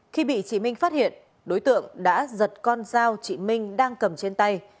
khi bị chị minh phát hiện đối tượng đã giật con dao chị minh đang cầm trên tay